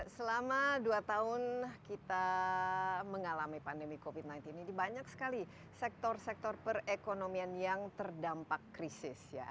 selama dua tahun kita mengalami pandemi covid sembilan belas ini banyak sekali sektor sektor perekonomian yang terdampak krisis ya